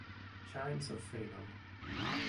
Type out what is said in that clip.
Chimes of Freedom